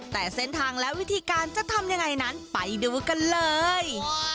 แต่เส้นทางและวิธีการจะทำยังไงนั้นไปดูกันเลย